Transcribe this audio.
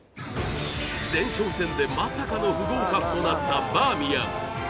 前哨戦でまさかの不合格となったバーミヤン